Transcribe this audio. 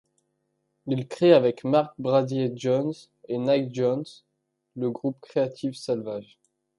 Il crée avec Mark Brazier-Jones et Nick Jones le groupe Creative Salvage.